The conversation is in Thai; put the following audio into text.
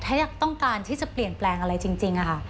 ถ้าอยากต้องการที่จะเปลี่ยนแปลงอะไรจริงค่ะ